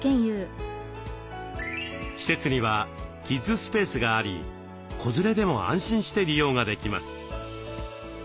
施設にはキッズスペースがあり子連れでも安心して利用ができます。